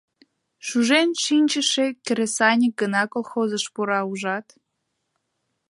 Шужен шинчыше кресаньык гына колхозыш пура, ужат?!.